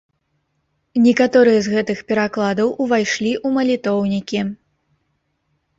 Некаторыя з гэтых перакладаў увайшлі ў малітоўнікі.